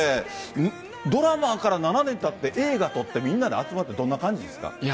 ドラマから７年たって、映画撮ってみんなで集まるってどんな感じですか？